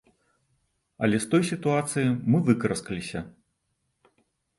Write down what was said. Але з той сітуацыі мы выкараскаліся.